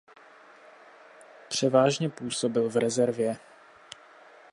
Převážně působil v rezervě.